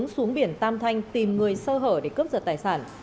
nguyên đứng xuống biển tam thanh tìm người sơ hở để cướp giật tài sản